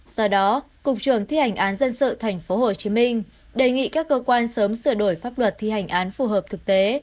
do đó cục trưởng thi hành án dân sự tp hcm đề nghị các cơ quan sớm sửa đổi pháp luật thi hành án phù hợp thực tế